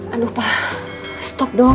aduh pak stop dong